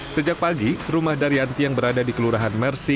sejak pagi rumah daryanti yang berada di kelurahan mersi